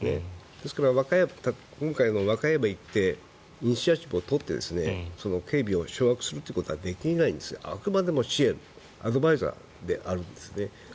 ですから、今回、和歌山に行ってイニシアチブを取って警備を掌握するということはできないんですがあくまでも支援アドバイザーであるんですね。